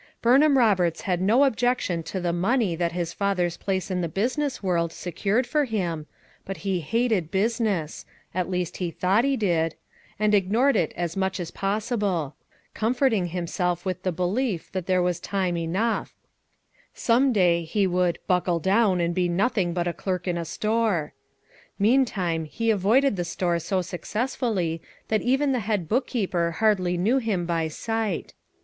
Burnham Roberts had no objection to the money that his father's place in the business world secured for him, but he bated business; — at least be thought he did— ' 226 FOUR MOTHERS AT CHAUTAUQUA 227 and ignored it as much as possible; comforting himself with the belief that there was time enough; some day he would "buckle down and be nothing but a clerk in a store." Meantime, he avoided the store so successfully that even the head bookkeeper hardly knew him by sight.